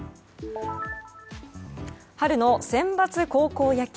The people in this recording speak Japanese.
春のセンバツ高校野球。